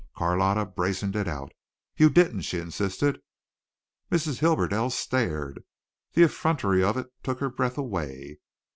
Carlotta brazened it out. "You didn't," she insisted. Mrs. Hibberdell stared. The effrontery of it took her breath away.